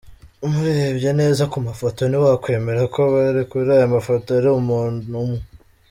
Umurebye neza ku mafoto ntiwakwemera ko abari kuri aya mafoto ari umuntu umwe